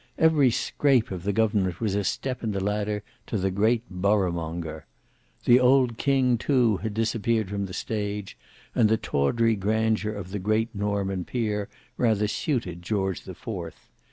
Every scrape of the government was a step in the ladder to the great borough monger. The old king too had disappeared from the stage; and the tawdry grandeur of the great Norman peer rather suited George the Fourth.